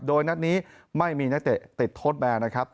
โดยนัดนี้ไม่มีนักเตะติดโทษแบนนะครับ